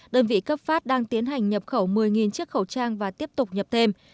đơn vị cấp phát đang tiến hành nhập khẩu một mươi chiếc khẩu trang và tiếp tục nhập thêm